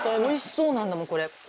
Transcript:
おいしそうなんだもん、これ。